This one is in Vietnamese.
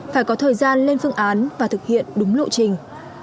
phải có thời gian lên phương án và thực hiện đúng lộ trình